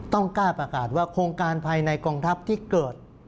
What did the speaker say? ต้องกล้าประกาศว่าโครงการภายในกองทัพที่เกิด